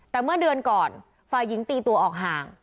แต่เมื่อเดือนก่อนฝ่ายหญิงตีตัวออกห่าง